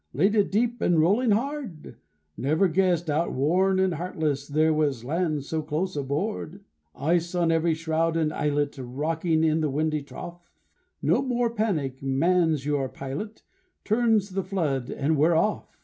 Laded deep and rolling hard? Never guessed, outworn and heartless, There was land so close aboard? Ice on every shroud and eyelet, Rocking in the windy trough? No more panic; Man's your pilot; Turns the flood, and we are off!